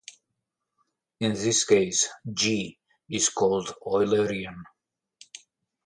In this case "G" is called Eulerian.